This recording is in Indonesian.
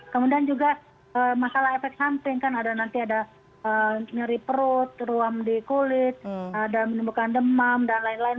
kemudian juga masalah efek samping kan nanti ada nyeri perut ruam di kulit ada menimbulkan demam dan lain lain